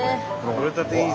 とれたていい